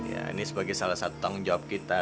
ya ini sebagai salah satu tanggung jawab kita